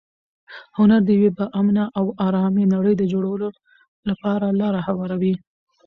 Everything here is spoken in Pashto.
هنر د یوې با امنه او ارامه نړۍ د جوړولو لپاره لاره هواروي.